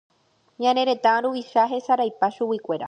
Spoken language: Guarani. Ñane retã ruvicha hesaraipa chuguikuéra.